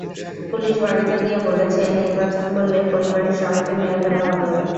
Police বাড়িতে গিয়ে বলেছে, নির্বাচন করলে পরিবারের সবাইকে মেরে ফেলা হবে।